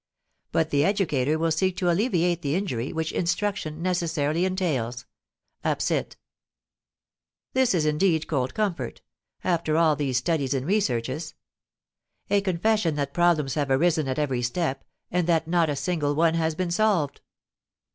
But the educator will seek to alleviate the injury which instruction necessarily entails" (op. cit.). This is indeed cold comfort, after all these studies and researches! A confession that problems have arisen at every step, and that not a single one has been solved!